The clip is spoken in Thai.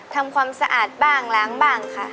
ทำความสะอาดบ้างล้างบ้างค่ะ